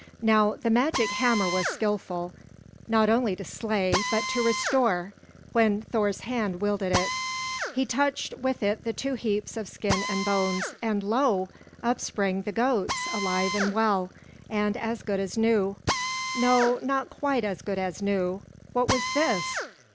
Now the magic hammer was skillful, not only to slay, but to restore, when Thor's hand wielded it. He touched with it the two heaps of skin and bones, and lo! up sprang the goats, alive and well, and as good as new. No, not quite as good as new. What was this?